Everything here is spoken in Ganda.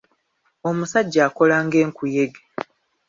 Omusajja akola ng'enkuyege.